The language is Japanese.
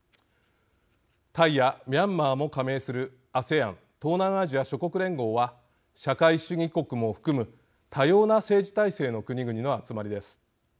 タイやミャンマーも加盟するＡＳＥＡＮ東南アジア諸国連合は社会主義国も含む多様な政治体制の国々の集まりです。